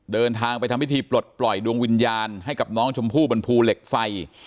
เดินทางไปทำพิธีปลดปล่อยดวงวิญญาณให้กับน้องชมพู่บนภูเหล็กไฟ